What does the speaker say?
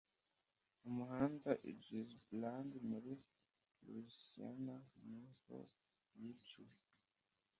umuhanda i gibsland, muri louisiana, ni ho yiciwe